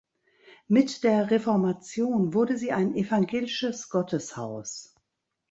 Mit der Reformation wurde sie ein evangelisches Gotteshaus.